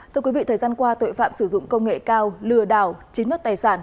thưa quý vị thời gian qua tội phạm sử dụng công nghệ cao lừa đảo chiếm đất tài sản